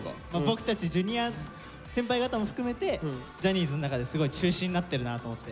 僕たちＪｒ．先輩方も含めてジャニーズの中ですごい中心になってるなと思って。